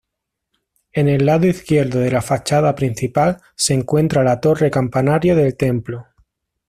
En el lado izquierdo de la fachada principal se encuentra la torre-campanario del templo.